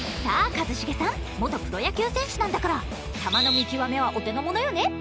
さあ、一茂さん元プロ野球選手なんだから球の見極めは、お手のものよね。